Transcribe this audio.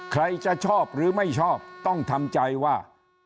ใครจะชอบหรือไม่ชอบต้องทำใจว่า